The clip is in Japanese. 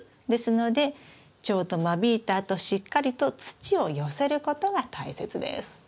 ですのでちょうど間引いたあとしっかりと土を寄せることが大切です。